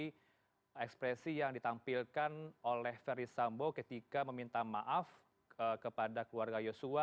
jadi ekspresi yang ditampilkan oleh verisambo ketika meminta maaf kepada keluarga yosua